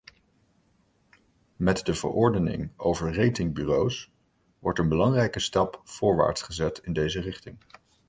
Met de verordening over ratingbureaus wordt een belangrijke stap voorwaarts gezet in deze richting.